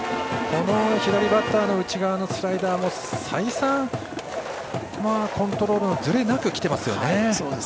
この左バッターの内側のスライダーも再三、コントロールのずれなくきています。